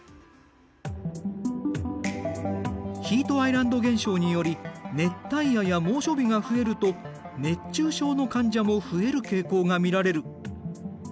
ヒートアイランド現象により熱帯夜や猛暑日が増えると熱中症の患者も増える傾向が見られる。